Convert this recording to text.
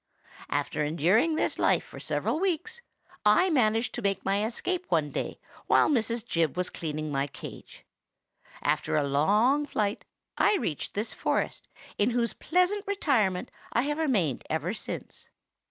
After enduring this life for several weeks, I managed to make my escape one day while Mrs. Jibb was cleaning my cage. After a long flight, I reached this forest, in whose pleasant retirement I have remained ever since.